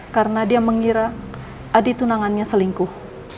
karena dia mengira adik tunangannya selingkuh